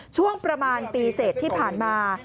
ช่วงประมาณปีเสร็จที่ผ่านมา